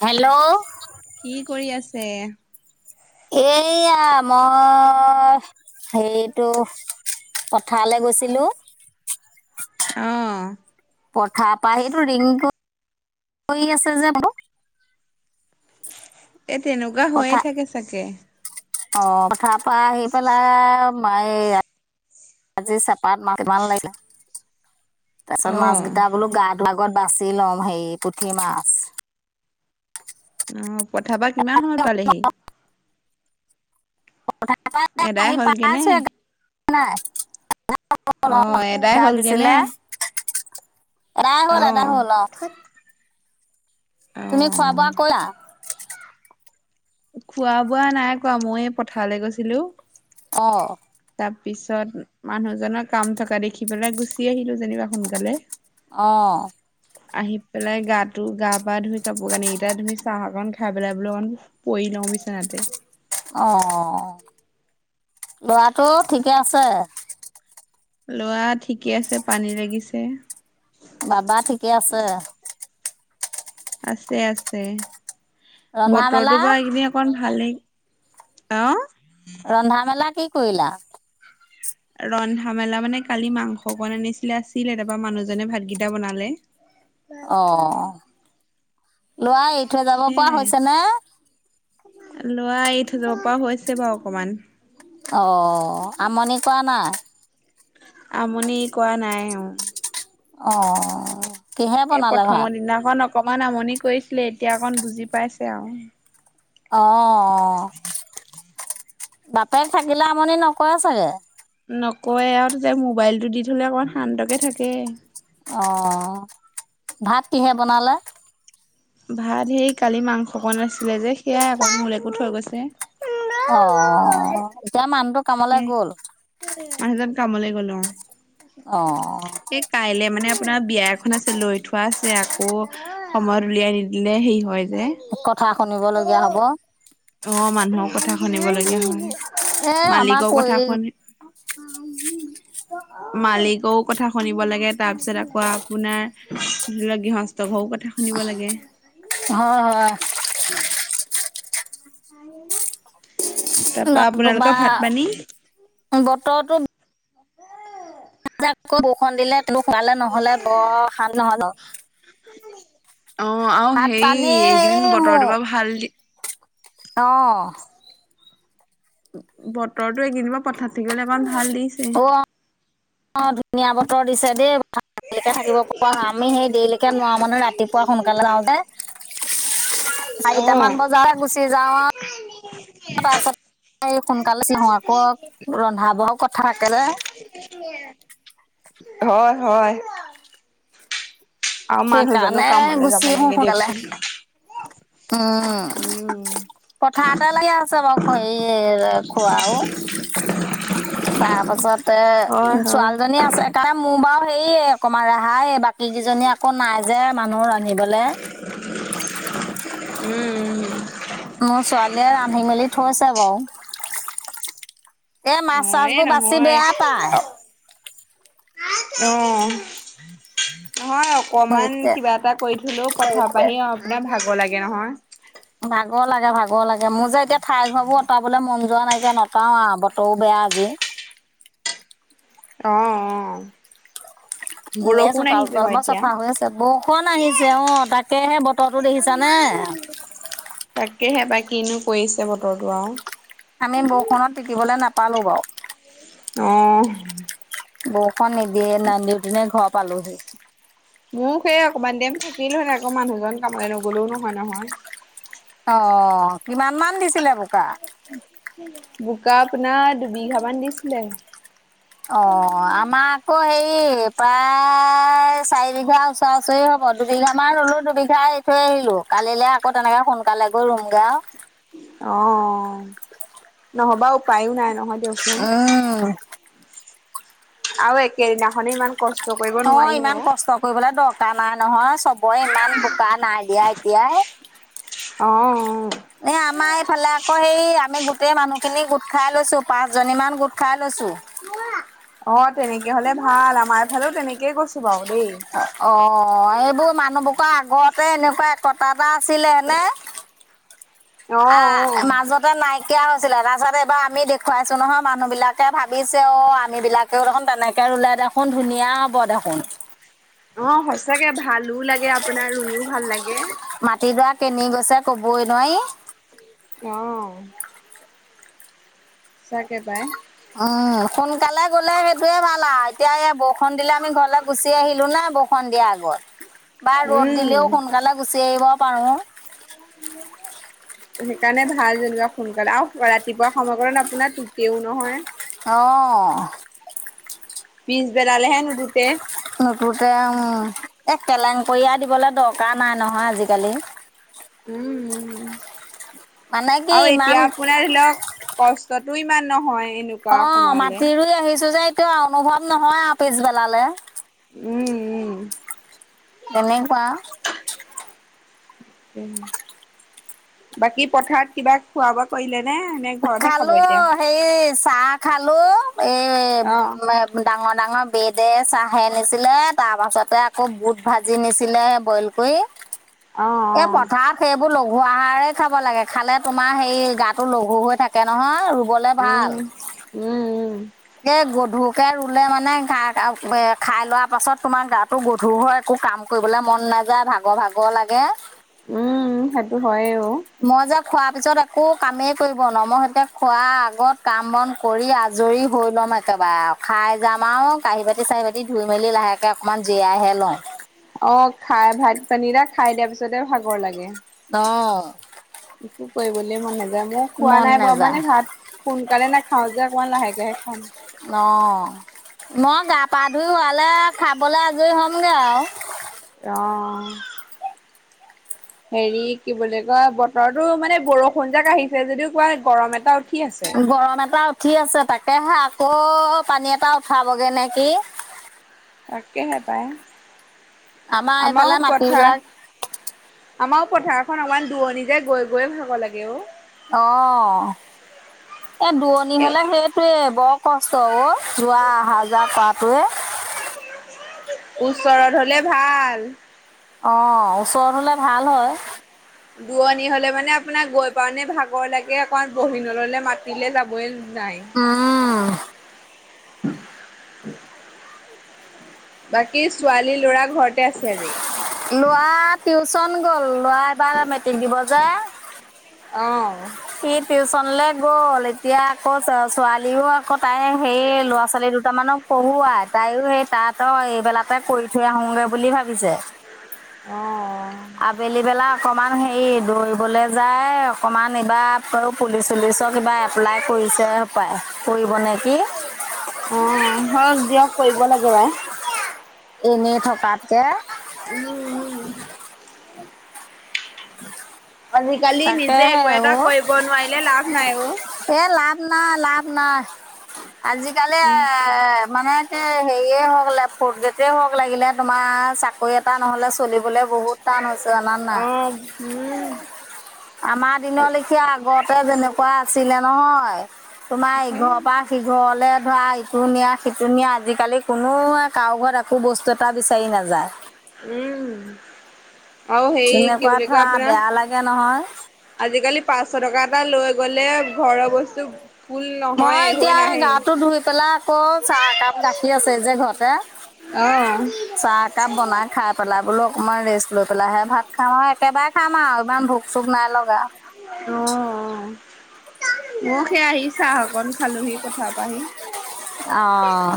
Hello, কি কৰি আছে? এয়া মই হেৰিটো। পথাৰলে গৈছিলোঁ। অ', পথাৰ পৰা সিটো ৰিঙ কৰি আছে যে মোৰ। এই তেনেকুৱা হৈয়ে থাকে চাগে। অ পথাৰ পৰা আহি পেলায়। মায় আজি চেপাত মাছ কিমান লাগিলে? তাৰ পিছত মাছ অ', কেইটা বোলো গাটো আগত বাছি লম হেৰি পুঠি মাছ। অ পথাৰ পৰা কিমান সময়ত পালেহি? পথাৰ পৰা এদাই আহি পাই হ'লগে নে? আছো নাই। অ', এদাই হ'লগে নে? [unintelligible] এদাহ হ'ল এদাহ হ'ল অ। তুমি খোৱা অ', বোৱা কৰিলা। খোৱা বোৱা নাই কোৱা মই পথাৰলৈ গৈছিলোঁ। অ, তাৰপিছত মানুহজনৰ কাম থকা দেখি পেলাই গুছি আহিলোঁ যেনিবা সোনকালে। অঁ, হয় [unintelligible] আহি পেলাই গাটো গা-পা ধুই, কাপোৰ কানি কেইটা ধুই, চাহ অকন খাই পেলাই বোলো অকন, পৰি লওঁ বিচনাতে। অ। ল'ৰাটো ঠিকে আছে? ল'ৰা ঠিকে আছে পানী লাগিছে। বাবা ঠিকে আছে? আছে আছে। ৰন্ধা মেলা বতৰটো বা এইকেইদিন অকন ভালেই। অঁ। ৰন্ধা মেলা কি কৰিলা? ৰন্ধা মেলা মানে কালি মাংস অকণ আনিছিলে আছিলে তাৰপা মানুহজনে ভাতকেইটা বনালে। অ। ল'ৱা এই সেইয়াই। ল'ৰা এই থৈ যাব পৰা হৈছে বাৰু অকমান। অঁ আমনি কৰা নাই? আমনি কৱা নাই অঁ। অঁ কিহে বনালে ভাত? সেই দিনাখন অকণমান আমনি কৰিছিলে এতিয়া অকণ বুজি পাইছে আও। অ। বাপেক থাকিলে আমনি নকয়ে চাগে? নকয়ে আও তো যে মোবাইলটো দি থ'লে অকণমান শান্তকে থাকে। অঁ। ভাত কিহে বনালে? ভাত হেই কালি মাংস অকণ আছিলে যে সেয়াই আকৌ মোলৈকো থৈ গৈছে। অঁ। এতিয়া মানুহটো কামলে সেয়াই। গ'ল? মানুহজন কামলে গ'ল অ। অঁ। কাইলৈ মানে আপোনাৰ বিয়া এখন আছে লৈ থোৱা আছে। আকৌ, সময়ত উলিয়াই নিদিলে হেৰি হয় যে। কথা শুনিব লগীয়া হ'ব। অ মানুহৰ কথা শুনিবলগীয়া হয়। এ আমাৰ মালিকৰ কথা কৰি শুনি আহ [unintelligible] মালিকও কথা শুনিব লাগে। তাৰপিছত আকৌ আপোনাৰ ধৰি লওক গৃহস্থ ত ঘ‌ও কথা শুনিব লাগে। হয় হয়। তাৰপা নতুবা আপোনালোকৰ ভাত পানী? বতৰতো জাক আকৌ বৰষুণ দিলে তোক খোৱালে নহলে বৰ খাল নহয় ক। অ আও ভাত হেই এইকেইদিন বতৰটো বৰ ভাল অঁ। বতৰতো এইকেদিন বাও পথাৰত থাকিবলৈ অকমান ভাল দিছে। অ অ ধুনীয়া বতৰ দিছে দেই। অ'। দেৰিলেকে হয়, থাকিব পৰা হয়, আমি সেই দেৰিলৈকে নোৱাৰা মানে ৰাতিপুৱা সোনকালে যাওঁযে। চাৰিটামান বজাত গুচি যাওঁ আও। তাৰপিছত এই সোনকালে চিঙো, আকৌ ৰন্ধা বঢ়াও কথা থাকে যে। [unintelligible] হয় হয়। আৰু মানুহজনো সেইকাৰণে কামলৈ গুচি যাব আহো লাগে সোনকালে দিয়কচোন। উম। উম, পথাৰতে লাগি আছে বাও সেই খোৱাও। [unintelligible] তাৰপাছতে হয়, হয়। ছোৱালীজনী আছে তাই মোৰ বাৰু সেয়ে অকণমান ৰেহায়েই বাকীকেইজনী আকৌ নাই যে মানুহ ৰান্ধিবলৈ [unintelligible] [unintelligible] উম-উম। মোৰ ছোৱালীয়ে ৰান্ধি মেলি থৈছে বাৰু। এই মাছ মোৰ এই চাছবোৰ বাচি নহয় বেয়া পায় [unintelligible] [unintelligible] অঁ নহয় মোক অকমান এতিয়া কিবা এটা কৰি থলেও পথাৰ পৰা আহি আপোনাৰ ভাগৰ লাগে নহয় [unintelligible] ভাগৰ লাগে, ভাগৰ লাগে মোৰ যে এতিয়া ঠাই ঘৰবোৰ অঁতাবলৈ মন যোৱা নাইকিয়া ন [unintelligible] পাওঁ আৰু বতৰো বেয়া আজি [unintelligible] অঁ-অঁ। এ চোতাল-চোতাল বাৰু বৰ এতিয়া। চাফা হৈ আছে। বৰষুণ আহিছে অঁ তাকেহে বতৰটো দেখিছানে? [inaudible] তাকেহে পায়, কিনো কৰিছে বতৰটো আৰু [unintelligible] আমি বৰষুণত তিকিবলৈ নাপালোঁ বাৰু। [unintelligible] অঁ। অঁ [unintelligible] বৰষুণ নিদিয়ে [unintelligible] নদি দিনে ঘৰ পালোহি। মোৰ সেই অকণমান টাইম থাকিলো হয়, আকৌ মানুহজন কামলৈ নগলেও নহয়-নহয়। [unintelligible] অঁ কিমান মান দিছিলে বোকা? [unintelligible] বোকা আপোনাৰ দুবিঘামান দিছিলে। [unintelligible] অঁ আমাৰ আকৌ হেৰি [inaudible] প্ৰায় চাৰি বিঘা ওচৰা-ওচৰি হ'ব দুবিঘা মান ৰুলোঁ, দুবিঘা [unintelligible] থৈ আহিলো কালিলৈ আকৌ তেনেকে সোনকালে গৈ ৰুম গে আৰু [unintelligible] অঁ নহবা উপায়ো নাই নহয় দিয়ক চোন। [unintelligible] উম। আৰু একেদিনাখনে ইমান কষ্ট [unintelligible] অঁ নোৱাৰি ইমান অ'। কষ্ট কৰিবলৈ দক [unintelligible] দৰকাৰ নাই নহয়, চবৰে ইমান বোকা নাই দিয়া এতিয়াই। [inaudible] অঁ-অঁ। এ আমাৰ এইফালে আকৌ হেই আমি গোটেই মানুহখিনি গোট খাই লৈছোঁ, পাঁচজনী মান গোট খাই লৈছোঁ। [inaudible] অঁ তেনেকে হলে ভাল। আমাৰ এইফালেও তেনেকেই গৈছোঁ বাৰু। দেই [unintelligible] অঁ-অঁ এইবোৰ মানুহবোৰ আগতে এনেকুৱা একটা এটা আছিলে নে [unintelligible] অ', আহ অ'। মাজত [inaudible] নাইকিয়া হৈছিলে তাৰপিছত এইবাৰ আমি দেখুৱাইছো নহয় মানুহবিলাকে ভাবিছে অ আমি বিলাক [inaudible] [unintelligible] দেখোন তেনেকে ৰুলে দেখোন ধুনীয়া হ'ব দেখোন। অঁ সচাকে ভালো লাগে, আপোনাৰ ৰুইও ভাল লাগে। মাটি যাক [unintelligible] কেনি গৈছে কবই নোৱাৰি। [inaudible] অঁ [unintelligible] সচাকে পায়। [inaudible] উম সোনকালে গ'লে সেইটোৱেই ভাল আৰু এতিয়া এই বৰষুণ দিলে আমি ঘৰলৈ গুচি আহিলো নাই বৰ [unintelligible] বৰষুণ দিয়া আগত বা ৰ'দ দিলেও উম সোনকালে গুচি আহিব পাৰোঁ। [unintelligible] উম [unintelligible] সেইকাৰণে ভাল যেনিবা সোনকালে আৰু ৰাতিপুৱা সময়কণ আপোনাৰ টুটৈও নহয় [unintelligible] অঁ [inaudible] পিছবেলালেহে নোটুটে [unintelligible] নুতোতে উম, এক কেলেংকীয়া দিবলৈ দৰকাৰ নাই নহয় আজিকালি। [inaudible] উম উম মানে কি আৰু এতিয়া ইমান আপ পোনাৰ ধৰি লওক কষ্টতো ইমান নহয় এনোক অ মাটি ৰুই আহিছো যে এতিয়া অনুভৱ নহয় আৰু পিছবেলালে উম উম তেনেকুৱা বাকী পথাৰত কিবা খোৱা বোৱা কৰিলে নে নে ঘৰতহে খাব খালো এতিয়া হেই চাহ খালো এই অ ডাঙৰ ডাঙৰ বেদে চাহে আনিছিলে তাৰ পাছতে আকৌ বুট ভাজি নিছিলে বইল কৰি অ অ এ পথাত সেইবোৰ লঘু আহাৰেই খাব লাগে খালে তোমাৰ সেই গাটো লঘু হৈ থাকে নহয় ৰু ৰুবলে উম ভাল উম উম এই গধুৰকে ৰুলে মানে গা খাই লোৱাৰ পাছত তোমাৰ গাটো গধুৰ হয় একো কাম কৰিবলে মন নাযায় ভাগৰ ভাগৰ লাগে উম সেইটো হয়েও মই যে খোৱাৰ পিছত একো কামেই কৰিব নোৱাৰো মই হেতুকে খোৱাৰ আগত কাম বন কৰি আজৰি হৈ লম একেবাৰে আও খাই যাম আও কাঁহী বাতি চাহি বাতি ধুই মেলি লাহেকে অকনমান জীয়াইহে লওঁ অ খাই ভাত পানী এতিয়া খাই দিয়াৰ পিছতে ভাগৰ লাগে অ একো কৰিবলে মন নাযায় মো খোৱা মন নাই বাৰু নাযায় মানে ভাত সোনকালে নাখাও যে অকমান লাহেকাহে খাম অ মই গা পা ধুই হোৱালে খাবলে আজৰি হ'মগৈ আও অ হেৰি কি বুলি কয় বতৰতো মানে বৰষুণজাক আহিছে যদিও কোৱা গৰম এটা উঠি আছে গৰম এটা উঠি আছে তাকেহে আকৌ পানী এটা উঠাবগে নে কি তাকেহে পাই আমাৰ এইফালে আমাৰো মাটিবিলাক পথাৰ আমাৰো পথাৰখন অলমান দূৰণি যে গৈ গৈ ভাগৰ লাগে অ অ এ দুৱণি এ হলে সেইটোৱে বৰ কষ্ট ও যোৱা অহা যোৱা কৰাটোৱে ওচৰত হলে ভাল অ ওচৰত হলে ভাল হয় দূৰণি হলে মানে আপোনাক গৈ পাওঁতে ভাগৰ লাগে অকণ বহি নললে মাতিলে যাবই নাই উম, বাকী ছোৱালী ল'ৰা ঘৰতে আছে আজি লৰা টিউচন গ'ল লৰা এবাৰ মেট্ৰিক দিব যে অ সি টিউচনলে গ'ল এতিয়া আকৌ, ছোৱালীও আকৌ তাই হেই ল'ৰা ছোৱালী দুটামানক, পঢ়োৱাই তাইও হেই তাত এইবেলাতে কৰি থৈ আহোগে বুলি ভাবিছে! অ আবেলি বেলা অকমান হেৰি দৌৰিবলে যায় অকনমান এইবাৰ পুলিচ চুলিচত? কিবা এপ্লাই কৰিছে সপায়, কৰিব নে কি? অ, হক দিয়ক কৰিব লাগে পায়? এনেই থকাতকে? উম আজিকালি নিজে তাকেহে একো এটা অ', কৰিব নোৱাৰিলে লাভ নাই অ এ লাভ নাই লাভ নাই আজিকালি এ? এ মানে এ হেৰিয়ে হওক লা ফৰ্থ গ্ৰেডে হওক লাগিলে তোমা চাকৰি এটা? টা নহলে চলিবলে বহুত টান হৈছে জানা নাই অ উম আমাৰ দিন লেখীয়া আগতে যেনেকুৱা আছিলে নহয়, তোমা ইঘৰৰ পা সিঘৰলে ধৰা ইটো নিয়া সিটো নিয়া! আজিকালি কোনোৱে কাৰো ঘৰত একো বস্তু এট টা বিচাৰি নাযায়? উম আৰু হেই কি তেনেকুৱা বুলি কয় ধৰা আপোনাৰ? বেয়া লাগে নহয়। আজিকালি পাঁচশ টকা এটা লৈ গ'লে ঘৰৰ বস্তু, ফুল মই নহয় হৈ এতিয়া হেই নাহে গাটো ধুই পেলায় আকৌ চাহ একাপ গাখীৰ আছে যে ঘৰতে অ চাহ একাপ বনাই খাই পেলাই বোলো অকণমান ৰেষ্ট লৈ পেলাইহে ভাত খাম! আৰু একেবাৰে খাম আও ইমান ভোক চোক নাই লগা, অঁ, অঁ ময়ো সেই আহি চাহ অকন খালোহি পথা পা আহি, অঁ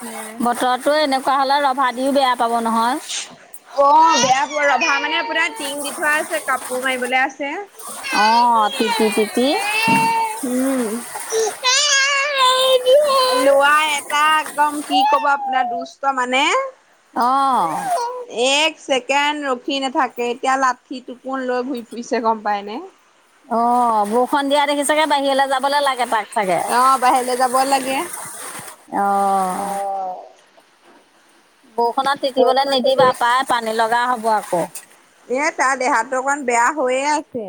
সেয়াই। বতটো এনেকুৱা হলে ৰভা দিও বেয়া, পাব নহয় অঁ, বেয়া পোৱা ৰভা মানে আপোনাৰ টিং দি থোৱা আছে! কাপোৰ মাৰিবলে আছে, অঁ, তিঁতি- তিতিঁ, উম লৱা এটা একদম কি ক'ব আপোনাৰ দুষ্ট মানে? অঁ এক ছেকেণ্ড ৰখি নাথাকে! এতিয়া লাঠি টোকন লৈ ঘুৰি ফুৰিছে গম পাই নে? অঁ, বৰষুণ দিয়া দেখি ছাগে বাহিৰলে যাবলে লাগে তাক, চাগে অ' বাহিৰলে যাব লাগে। অঁ, বৰষুণত বৰষুণত তিতিবলে নিদিবা তিতিলো। এ পায় পানী লগা হ'ব আকৌ, এ তাৰ দেহাটো অকণ বেয়া হৈয়ে আছে?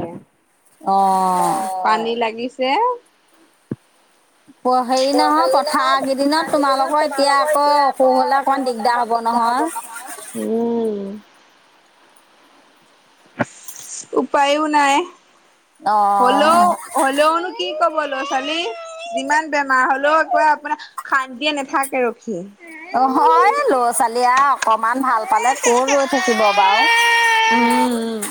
অঁ অ'। পানী লাগিছে? হেৰি নহয় পথাৰ কেদিনত তোমালোকৰ এতিয়া আকৌ অসুখ হলে অকমান দিগদাৰ হ'ব হব নহয়? উম উপায়ো নাই হলৌও অ'। হলৌও নো কি ক'ব ল'ৰা ছোৱালী যিমান বেমাৰ হ'লৌও একো আপোনাৰ, শান্তিয়ে নেথাকে ৰখি, অঁ, হয় ল'ৰা ছোৱালীয়ে আ অকমান ভাল পালে কত ৰৈ থাকিব বাও উম উম।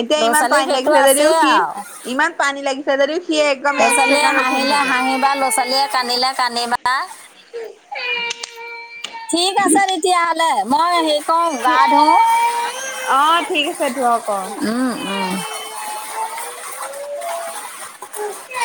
এতিয়া ল'ৰা ইমান ছোৱালী পানী সেইটো লাগিছে যদিও আছেই সি আৰু ইমান পানী লাগিছে যদিও সি একদম, ল'ৰা এক ছোৱালীয়ে ছেকেণ্ড ৰখি হাঁহিলে নাথাকে। হাঁহিবা ল'ৰা ছোৱালীয়ে কান্দিলে কান্দিবা, [unintelligible] ঠিক আছে তেতিয়াহ'লে মই হেৰি কৰো গা ধোওঁ অঁ ঠিক আছে ধোৱক অঁ! [unintelligible]